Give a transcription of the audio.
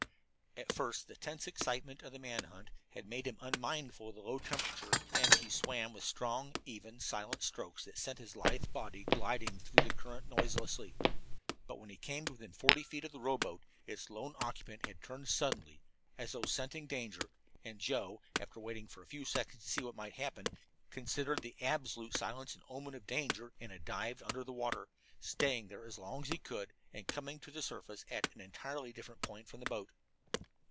At first the tense excitement of the manhunt had made him unmindful of the low temperature, and he swam with strong, even, silent strokes that sent his lithe body gliding through the current noiselessly; but when he had come within forty feet of the rowboat its lone occupant had turned suddenly, as though scenting danger, and Joe, after waiting for a few seconds to see what might happen, considered the absolute silence an omen of danger and had dived under water, staying there as long as he could, and coming to the surface at an entirely different point from the boat.